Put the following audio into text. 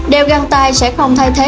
đều găng tay sẽ không thay thế